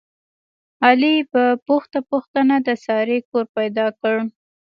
علي په پوښته پوښتنه د سارې کور پیدا کړ.